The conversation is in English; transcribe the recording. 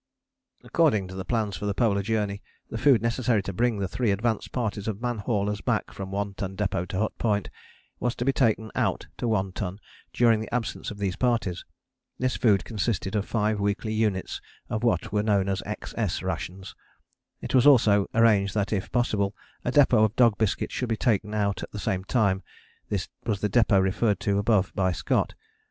According to the plans for the Polar Journey the food necessary to bring the three advance parties of man haulers back from One Ton Depôt to Hut Point was to be taken out to One Ton during the absence of these parties. This food consisted of five weekly units of what were known as XS rations. It was also arranged that if possible a depôt of dog biscuit should be taken out at the same time: this was the depôt referred to above by Scott.